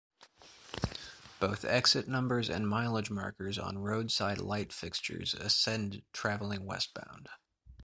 Both exit numbers and mileage markers on roadside light fixtures ascend traveling westbound.